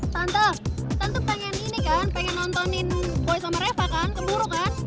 tante tante pengen ini kan pengen nontonin poin sama reva kan keburu kan